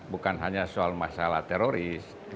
bukan hanya soal masalah teroris